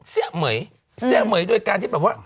เสียะเหมือยด้วยการที่แบบว่า